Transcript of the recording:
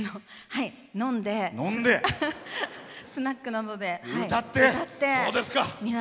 飲んでスナックなどで歌って。